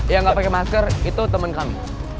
yang gak pake masker itu temen kami